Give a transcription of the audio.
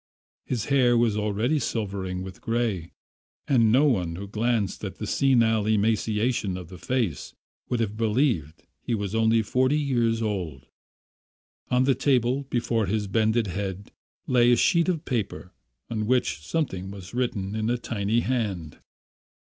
His hair was already silvering with grey, and no one who glanced at the senile emaciation of the face would have believed that he was only forty years old. On the table, before his bended head, lay a sheet of paper on which something was written in a tiny hand.